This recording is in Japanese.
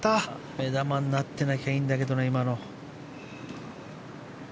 目玉になってなければいいんだけど、今の。